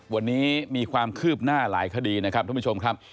วันนี้มีความคืบหน้าหลายคดีนะครับท่านผู้ชมครับ